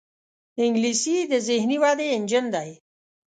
انګلیسي د ذهني ودې انجن دی